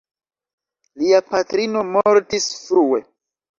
Lia patrino mortis frue.